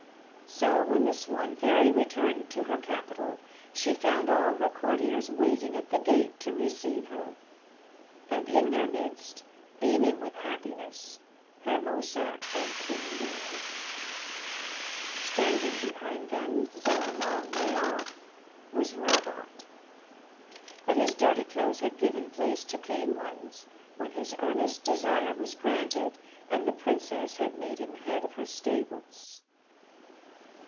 So when the Swan fairy returned to her capital she found all her courtiers waiting at the gate to receive her, and in their midst, beaming with happiness, Hermosa and King Lino. Standing behind them, though a long way off, was Rabot; but his dirty clothes had given place to clean ones, when his earnest desire was granted, and the princess had made him head of her stables.